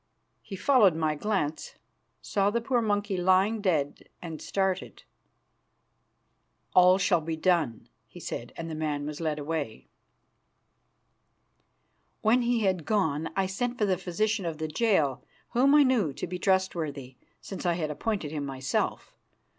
He followed my glance, saw the poor monkey lying dead, and started. "All shall be done," he said, and the man was led away. When he had gone, I sent for the physician of the jail, whom I knew to be trustworthy, since I had appointed him myself.